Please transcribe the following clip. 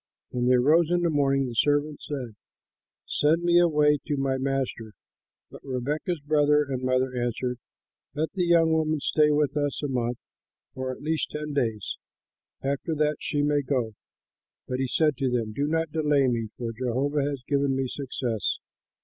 When they rose in the morning, the servant said, "Send me away to my master." But Rebekah's brother and mother answered, "Let the young woman stay with us a month or at least ten days; after that she may go." But he said to them, "Do not delay me, for Jehovah has given me success.